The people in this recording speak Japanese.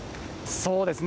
そうですね。